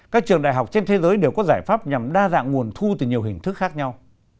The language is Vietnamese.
các trường đại học trên thế giới đều có giải pháp nhằm đa dạng nguồn thu từ nhiều hình thức khác nhau